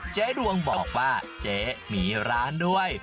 เจ๊ดวงบอกว่าเจ๊มีร้านด้วย